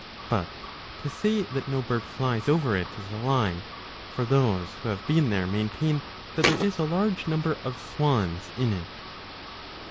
4 But to say that no bird flies over it is a lie ; 25 for those who have been there maintain that there is a large number of swans in it.